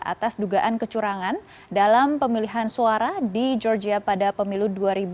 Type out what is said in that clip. atas dugaan kecurangan dalam pemilihan suara di georgia pada pemilu dua ribu sembilan belas